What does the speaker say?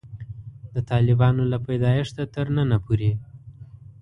د طالبانو له پیدایښته تر ننه پورې.